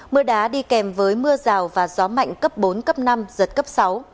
mưa đá đi kèm với mưa rào và gió mạnh cấp bốn cấp năm giật cấp sáu